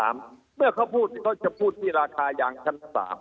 เมื่อเขาพูดเขาจะพูดที่ราคายางชั้น๓